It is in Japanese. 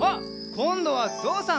こんどはぞうさん！